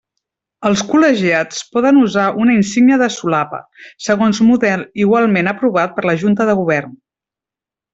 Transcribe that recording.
Els col·legiats poden usar una insígnia de solapa, segons model igualment aprovat per la Junta de Govern.